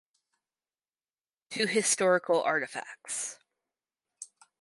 Two historical artifacts.